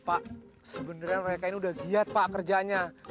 pak sebenarnya mereka ini udah giat pak kerjanya